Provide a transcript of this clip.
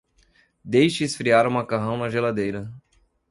Deixe esfriar o macarrão na geladeira.